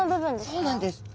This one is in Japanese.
そうなんです。